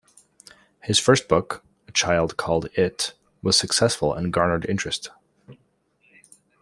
His first book, "A Child Called It", was successful and garnered interest.